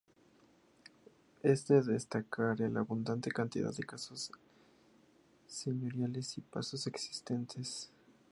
Es de destacar la abundante cantidad de casas señoriales y pazos existentes.